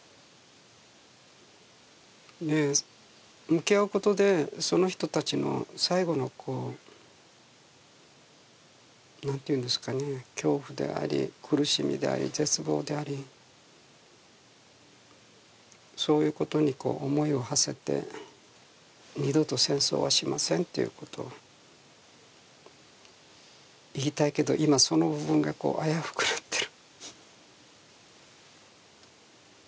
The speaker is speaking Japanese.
向き合うことで、その人たちの最後の恐怖であり苦しみであり、絶望であり、そういうことに思いをはせて、二度と戦争はしませんってことをいいたいけど、今、その部分が危うくなっている。